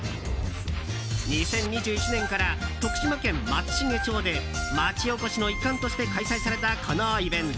２０２１年から徳島県松茂町で町おこしの一環として開催されたこのイベント。